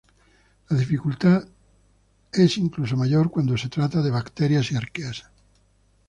La dificultad es incluso mayor cuando se trata de bacterias y arqueas.